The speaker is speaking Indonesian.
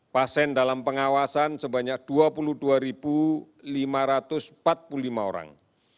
pasien dalam pengawasan sebanyak dua puluh dua lima ratus empat puluh lima orang